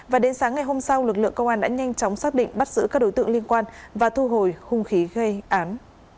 và đến sáng ngày hôm sau lực lượng công an đã nhanh chóng xác định bắt giữ các đối tượng liên quan và thu hồi hung khí gây án